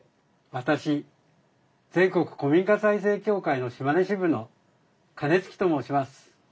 私全国古民家再生協会の島根支部の金築と申します。